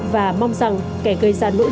và mong rằng kẻ gây ra nỗi đau cho con